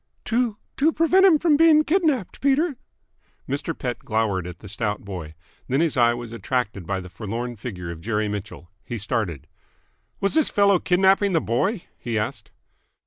"To to prevent him being kidnapped, Peter." Mr. Pett glowered at the stout boy. Then his eye was attracted by the forlorn figure of Jerry Mitchell. He started. "Was this fellow kidnapping the boy?" he asked.